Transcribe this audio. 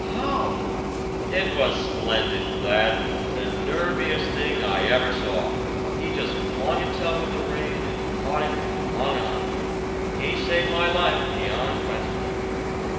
"How?" "It was splendid, Glad the nerviest thing I ever saw. He just flung himself at the rein and caught it and hung on. He saved my life, beyond question."